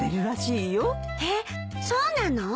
えっそうなの？